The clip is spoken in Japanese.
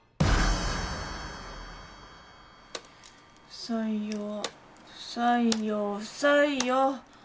不採用不採用不採用。